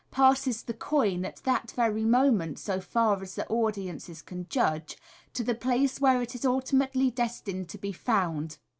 passes the coin (at that very moment, so far as the audience can judge) to the place where it is ultimately destined to be found.